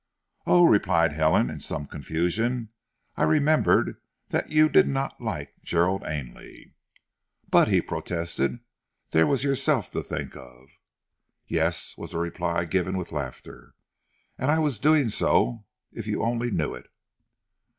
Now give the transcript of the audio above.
"Oh," replied Helen in some confusion, "I remembered that you did not like Gerald Ainley!" "But," he protested, "there was yourself to think of." "Yes," was the reply, given with laughter, "and I was doing so if you only knew it."